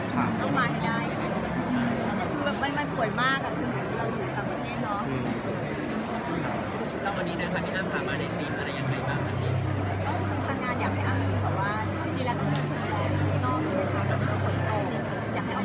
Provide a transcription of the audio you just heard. ถ้าผู้คนถึงตรงนี้โดยที่นั่งพามาในสีฟาแล้วยังไงบ้าง